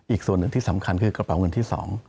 อีกส่วนหนึ่งที่สำคัญคือกระเป๋าเงินที่๒